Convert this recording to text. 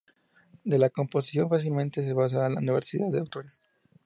De la composición fácilmente se pasa a la diversidad de autores.